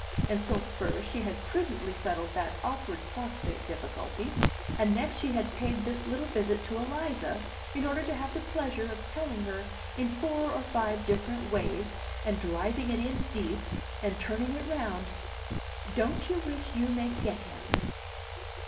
And so first she had prudently settled that awkward phosphate difficulty, and next she had paid this little visit to Eliza in order to have the pleasure of telling her in four or five different ways, and driving it in deep, and turning it round: "Don't you wish you may get him?"